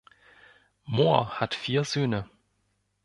Mohr hat vier Söhne.